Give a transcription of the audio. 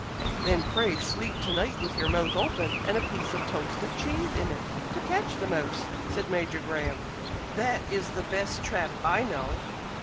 "Then pray sleep to night with your mouth open, and a piece of toasted cheese in it, to catch the mouse," said Major Graham. "That is the best trap I know!"